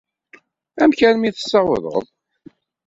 Amek armi tessawḍeḍ?